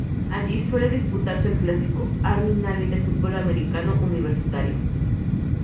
Allí suele disputarse el clásico Army-Navy de fútbol americano universitario.